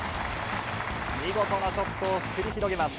見事なショットを繰り広げます。